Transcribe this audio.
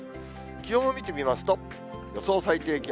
気温を見てみますと、予想最低気温。